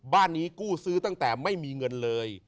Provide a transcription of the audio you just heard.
บ้านนี้กู้ซื้อตั้งแต่ไม่มีเงินเลย